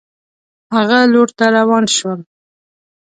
هغه لور ته روان شول.